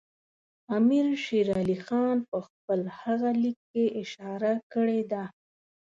امیر شېر علي خان په خپل هغه لیک کې اشاره کړې ده.